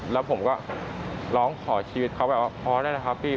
แล้วผมก็ร้องขอชีวิตเขาแบบว่าพอได้นะครับพี่